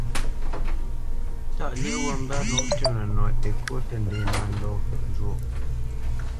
Tâʼ lyéʼ wút mbə́ nǒ twɛ̂p nənɔ Ekô tə́ ndě mándɔ njwóʼ.